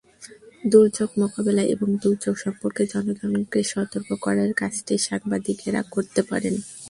দুর্যোগ মোকাবিলায় এবং দুর্যোগ সম্পর্কে জনগণকে সচেতন করার কাজটি সাংবাদিকেরা করতে পারেন।